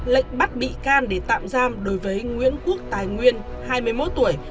lệnh bắt bị can để tạm giam đối với nguyễn quốc tài nguyên hai mươi một tuổi